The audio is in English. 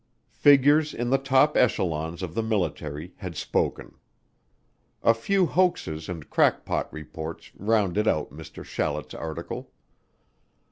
Figures in the top echelons of the military had spoken. A few hoaxes and crackpot reports rounded out Mr. Shallet's article.